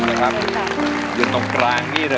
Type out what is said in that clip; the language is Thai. สวัสดีครับ